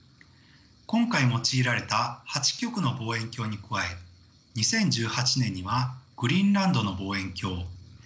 今回用いられた８局の望遠鏡に加え２０１８年にはグリーンランドの望遠鏡